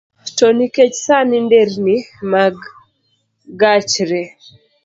To nikech sani nderni mag gach re